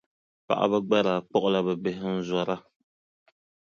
Paɣiba gba daa kpuɣila bɛ bihi n-zɔra.